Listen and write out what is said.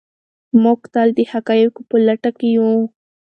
موږ تل د حقایقو په لټه کې یو.